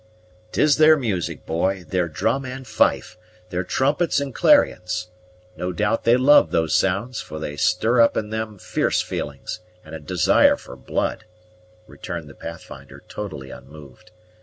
"'Tis their music, boy; their drum and fife; their trumpets and clarions. No doubt they love those sounds; for they stir up in them fierce feelings, and a desire for blood," returned the Pathfinder, totally unmoved.